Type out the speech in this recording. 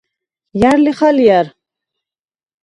ჲა̈რ ლიხ ალჲა̈რ?